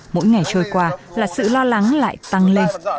mỗi ngày trôi qua là sự lo lắng lại tăng lên